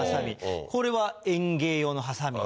これは園芸用のハサミ。